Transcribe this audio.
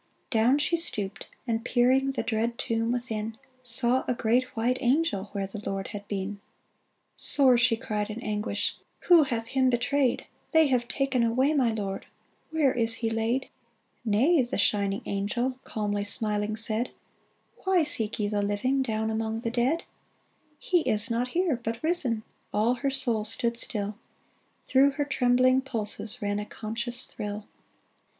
Down she stooped, and peering The dread tomb within, Saw a great white angel Where the Lord had been ! Sore she cried in anguish :*' Who hath him betrayed ? They have taken away my Lord 1 Where is he laid ?"" Nay," the shining angel, Calmly smiling, said —" Why seek ye the living Down among the dead ? DAYBREAK 407 " He is not here, but risen !" All her soul stood still ; Through her trembhng pulses Ran a conscious thrill.